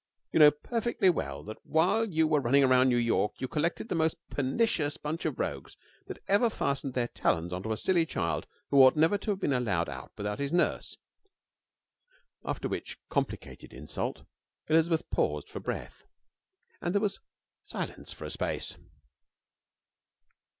You know perfectly well that while you were running round New York you collected the most pernicious bunch of rogues that ever fastened their talons into a silly child who ought never to have been allowed out without his nurse.' After which complicated insult Elizabeth paused for breath, and there was silence for a space.